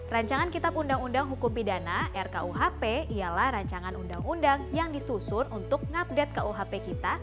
rancangan kitab undang undang hukum pidana rkuhp ialah rancangan undang undang yang disusun untuk mengupdate kuhp kita